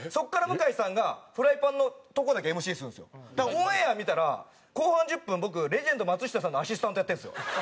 そこから向井さんがだからオンエア見たら後半１０分僕レジェンド松下さんのアシスタントやってるんですよ。